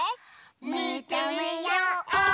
みてみよう！